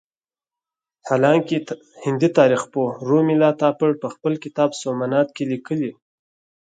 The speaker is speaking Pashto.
حالانکه هندي تاریخ پوه رومیلا تاپړ په خپل کتاب سومنات کې لیکلي.